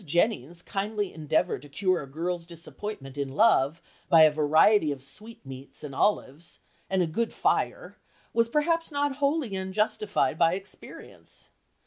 Jennings' kindly endeavour to cure a girl's disappointment in love by a variety of sweetmeats and olives, and a good fire, was perhaps not wholly unjustified by experience.